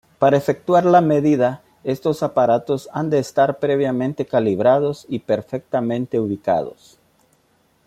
Para efectuar la medida, estos aparatos han de estar previamente calibrados y perfectamente ubicados.